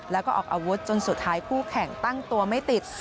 แล้วก็ออกอาวุธจนสุดท้ายคู่แข่งตั้งตัวไม่ติด